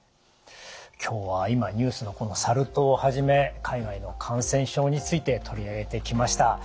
今日は今ニュースのサル痘をはじめ海外の感染症について取り上げてきました。